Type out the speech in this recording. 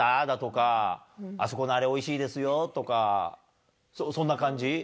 だとか、あそこのあれ、おいしいですよとか、そんな感じ？